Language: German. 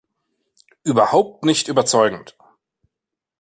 Überhaupt nicht überzeugend!